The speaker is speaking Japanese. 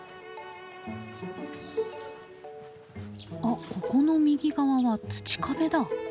あっここの右側は土壁だ。